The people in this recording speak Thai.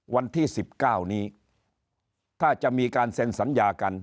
วันที่๑๙นี้ถ้าจะมีการเซ็นสัญญากัน